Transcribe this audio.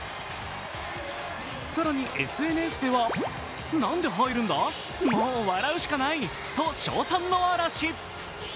更に、ＳＮＳではなんで入るんだもう笑うしかないと称賛の嵐。